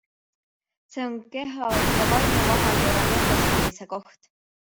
See on keha ja vaimu vahekorra mõtestamise koht.